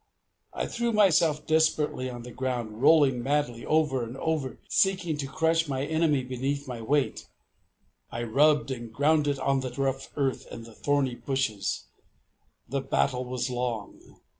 I threw myself desperately on the ground, rolling madly over and over, seeking to crush my enemy beneath my weight. I rubbed and ground it on the rough earth and the thorny bushes. The battle was long.